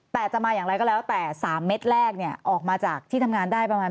แต่จะมาอย่างไรก็แล้วแต่๓เม็ดแรกเนี่ยออกมาจากที่ทำงานได้ประมาณ